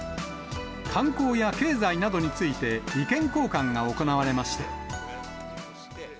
観光や経済などについて意見交換が行われました。